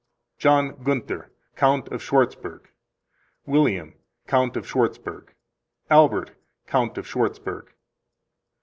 John Gunther, Count of Schwartzburg. William, Count of Schwartzburg. Albert, Count of Schwartzburg.